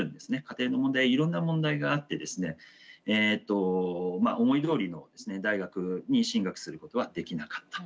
家庭の問題やいろんな問題があってですね思いどおりの大学に進学することはできなかった。